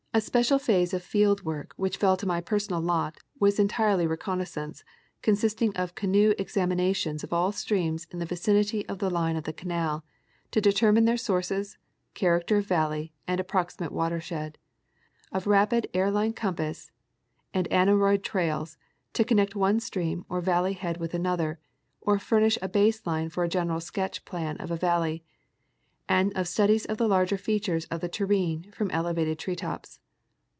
325 The special phase of field work which fell to my personal lot was entirely reconnaissance, consisting of canoe examinations of all streams in the vicinity of the line of the canal, to determine their sources, character of valley, and approximate water shed ; of rapid air line compass and aneroid trails, to connect one stream, or valley head with another, or furnish a base line for a genei'al sketch plan of a valley ; and of studies of the larger features of the terrene, from elevated tree tops.